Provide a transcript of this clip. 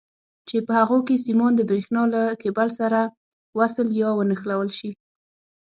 چې په هغو کې سیمان د برېښنا له کیبل سره وصل یا ونښلول شي.